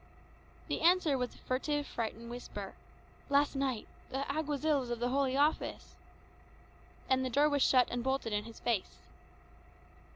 The answer was a furtive, frightened whisper. "Last night the Alguazils of the Holy Office." And the door was shut and bolted in his face.